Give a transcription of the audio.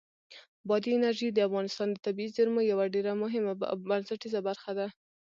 بادي انرژي د افغانستان د طبیعي زیرمو یوه ډېره مهمه او بنسټیزه برخه ده.